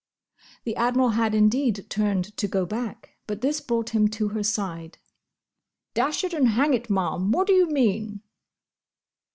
The Admiral had indeed turned to go back; but this brought him to her side. "Dash it and hang it, Ma'am! what do you mean?"